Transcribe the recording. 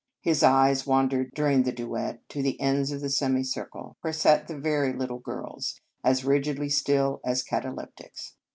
His eyes wandered during the duet to the ends of the semicir cle, where sat the very little girls, as rigidly still as cataleptics.